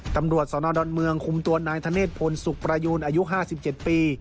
ตำรวจสอนอดอนเมืองคุมตัวนายธเนศพลสุกประยูนอายุห้าสิบเจ็ดปี